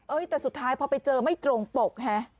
แต่สุดท้ายพอไปเจอไม่ตรงปกฮะ